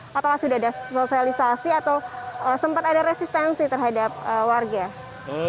apakah sudah ada sosialisasi atau sempat ada resistensi terhadap warga